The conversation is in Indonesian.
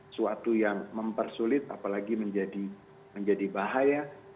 suatu yang mempersulit apalagi menjadi bahaya